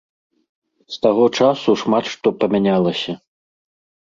З таго часу шмат што памянялася.